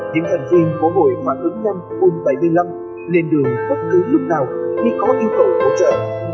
những thành viên của hội khóa tướng năm bull bảy mươi năm lên đường bất cứ lúc nào khi có yêu cầu hỗ trợ